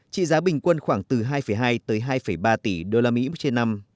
trị giá bình quân khoảng từ hai hai tới hai ba tỷ usd trên năm